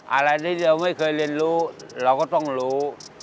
อะไรที่เราไม่เคยเรียนรู้เราก็ต้องรู้